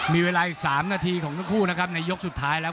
มีเวลาอีก๓นาทีของทั้งคู่นะครับในยกสุดท้ายแล้ว